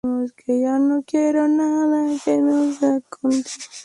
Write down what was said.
En "Bart After Dark", es uno de los clientes de la casa de burlesque.